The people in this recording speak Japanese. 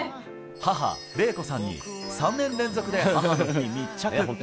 母、令子さんに、３年連続で母の日に密着。